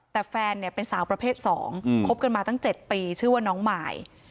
แต่แฟนเนี่ยเป็นสาวประเภท๒คบกันมาตั้ง๗ปีชื่อว่าน้องมาย